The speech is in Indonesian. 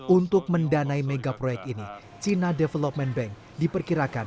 untuk mendanai mega proyek ini china development bank diperkirakan